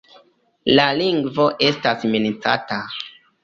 La lingvo estas minacata.